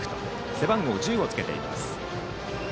背番号１０をつけています。